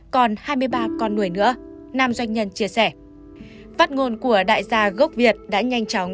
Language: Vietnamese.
còn hai mươi ba con người nữa nam doanh nhân chia sẻ phát ngôn của đại gia gốc việt đã nhanh chóng